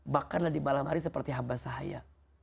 makanlah di malam hari seperti hamba sahaya